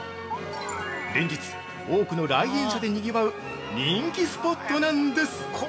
連日、多くの来園者でにぎわう人気スポットなんです。